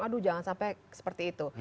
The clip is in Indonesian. aduh jangan sampai seperti itu